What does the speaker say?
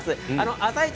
「あさイチ」